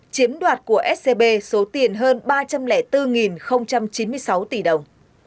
chiếm đoạt của scb số tiền hơn ba trăm linh bốn chín mươi sáu tỷ đồng